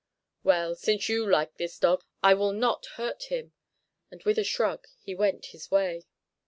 Well, since you like this dog, I will not hurt him"; and with a shrug he went his way.